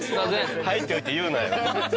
入っといて言うなよ。